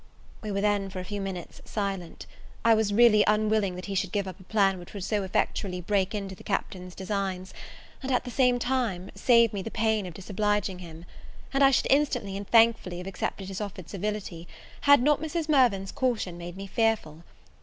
We were then, for a few minutes, both silent; I was really unwilling he should give up a plan which would so effectually break into the Captain's designs, and, at the same time, save me the pain of disobliging him; and I should instantly and thankfully have accepted his offered civility, had not Mrs. Mirvan's caution made me fearful.